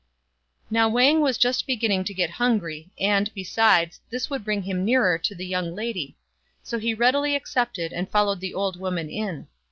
Now Wang was just beginning to get hungry, and, besides, this would bring him nearer to the young lady; so he readily accepted and followed the old woman in.